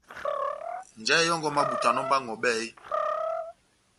Njahɛ yɔ́ngɔ emabutanɔ mba ó ŋʼhɔbɛ eeeh ?